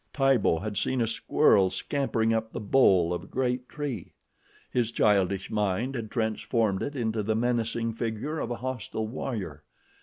Tibo had seen a squirrel scampering up the bole of a great tree. His childish mind had transformed it into the menacing figure of a hostile warrior.